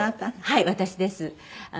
はい私です。